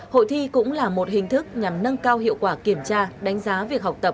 hội thi cũng là một hình thức nhằm nâng cao hiệu quả kiểm tra đánh giá việc học tập